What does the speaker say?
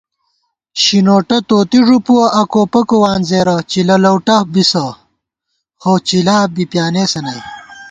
شِنوٹہ توتی ݫُپُوَہ، اکو پکو وانزېرہ * چِلہ لؤٹہ بِسہ، خو چِلا بی پیانېسہ نئ